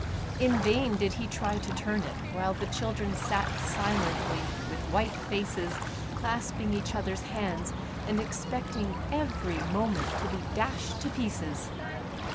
In vain did he try to turn it, while the children sat silently with white faces, clasping each others hands, and expecting every moment to be dashed to pieces.